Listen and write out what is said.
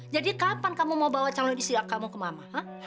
jadi kapan kamu mau bawa calon istri kamu ke mama